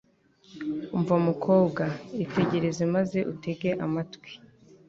umva mukobwa, itegereze maze utege amatwi